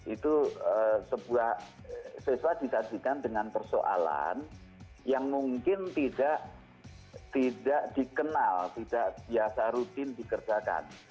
itu sebuah siswa disajikan dengan persoalan yang mungkin tidak dikenal tidak biasa rutin dikerjakan